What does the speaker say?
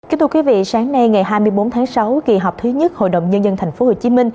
kính thưa quý vị sáng nay ngày hai mươi bốn tháng sáu kỳ họp thứ nhất hội đồng nhân dân tp hcm